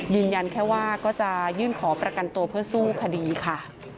ยืนยันแค่ว่าก็จะยื่นขอประกันตัวเพื่อสู้คดีค่ะ